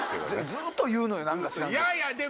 ずっと言うの何か知らんけど。